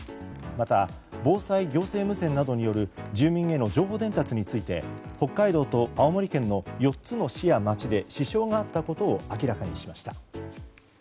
また防災行政無線などによる住民への情報伝達について北海道と青森県の４つの市や町で支障があったことを明らかにしました。